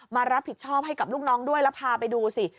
มารับผิดชอบให้กับลูกน้องด้วยแล้วพาไปดูสิ